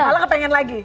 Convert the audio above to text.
malah kepengen lagi